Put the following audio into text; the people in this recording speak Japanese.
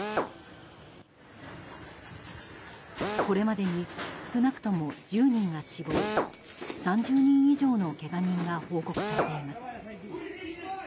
これまでに少なくとも１０人が死亡３０人以上のけが人が報告されています。